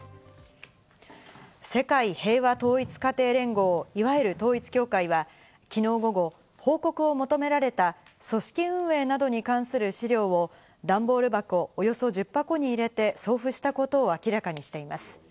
世界平和統一家庭連合いわゆる統一教会は昨日午後、報告を求められた組織運営などに関する資料を段ボール箱およそ１０箱に入れて送付したことを明らかにしています。